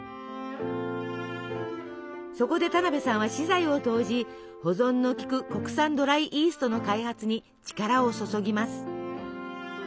そこで田辺さんは私財を投じ保存の利く国産ドライイーストの開発に力を注ぎます。